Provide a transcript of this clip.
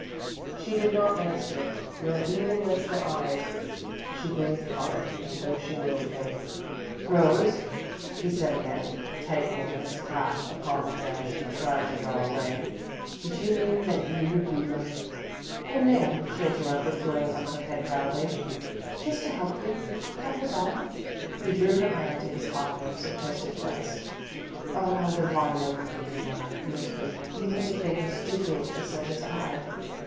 She did not answer, nor even lift her eyes. She breathed hard, as though she were in pain. "Rose," he said again, tightening his clasp upon the hand she tried to draw away, "did you mean that you would be my " "In name," she interrupted, throwing up her head proudly. "Just to help you that was all." He drew her hand to his hot lips and kissed it twice. "Oh, how divinely kind you are," he whispered, "even to think of stooping to such as I!"